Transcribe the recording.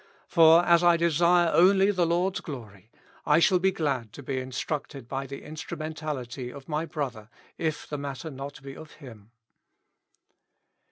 For as I desire only the Lord's glory I shall be glad to be instructed by the instrumentality of my brother, if the matter be not of Him.